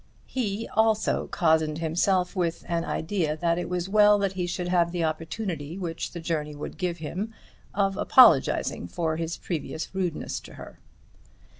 He also cozened himself with an idea that it was well that he should have the opportunity which the journey would give him of apologising for his previous rudeness to her.